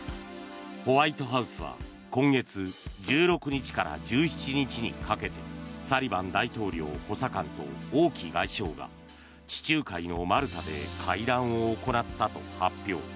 ホワイトハウスは今月１６日から１７日にかけてサリバン大統領補佐官と王毅外相が地中海のマルタで会談を行ったと発表。